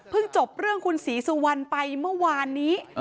จบเรื่องคุณศรีสุวรรณไปเมื่อวานนี้